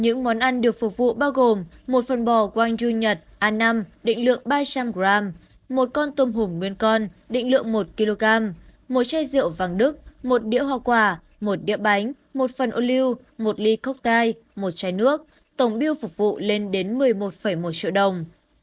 những món ăn được phục vụ bao gồm một phần bò quang yu nhật a năm định lượng ba trăm linh g một con tôm hùm nguyên con định lượng một kg một chai rượu vàng đức một đĩa hoa quả một đĩa bánh một phần oliu một ly cốc tai một chai nước tổng biêu phục vụ lên đến một mươi một một triệu đồng